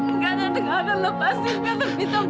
enggak tante enggak tante lepasin aku